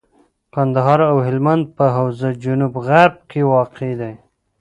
کندهار او هلمند په حوزه جنوب غرب کي واقع دي.